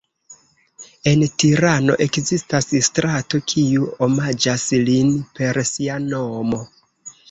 En Tirano ekzistas strato kiu omaĝas lin per sia nomo.